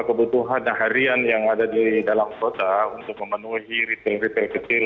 kebutuhan harian yang ada di dalam kota untuk memenuhi retail retail kecil